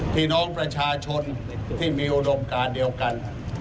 พี่น้องประชาชนที่มีอุดมการเดียวกัน